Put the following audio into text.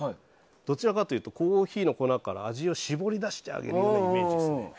どちらかというとコーヒーの粉から味を搾り出してあげるようなイメージですね。